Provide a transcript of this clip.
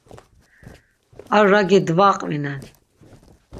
Ar ragi dvaqvinen.